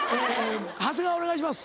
長谷川お願いします。